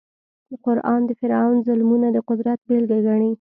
قران د فرعون ظلمونه د قدرت بېلګه ګڼي.